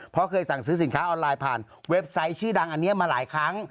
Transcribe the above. เพราะเคยสั่งซื้อสินค้าออนไลน์ผ่านเว็บไซต์ชื่อดังอันนี้มาหลายครั้ง